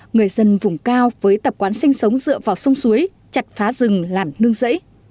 người dân vùng cao với tập quán sinh sống dựa vào sông suối chặt phá rừng làm nương rẫy